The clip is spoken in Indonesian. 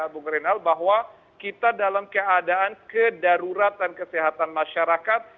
bung renal bahwa kita dalam keadaan kedarurat dan kesehatan masyarakat